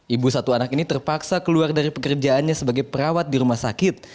ibu satu anak ini terpaksa keluar dari pekerjaannya sebagai perawat di rumah sakit